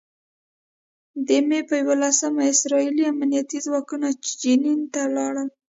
د مې په یوولسمه اسراييلي امنيتي ځواکونه جنین ته لاړل.